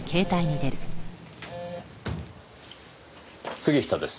杉下です。